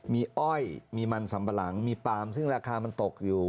มีอ้อยมีมันสัมปะหลังมีปาล์มซึ่งราคามันตกอยู่